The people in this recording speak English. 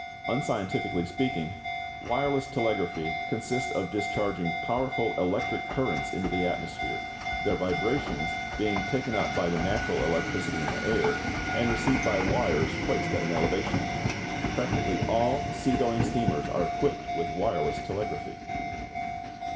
Unscientifically speaking, wireless telegraphy consists of discharging powerful electrical currents into the atmosphere, their vibrations being taken up by the natural electricity in the air, and received by wires placed at an elevation. Practically all sea going steamers are equipped with wireless telegraphy.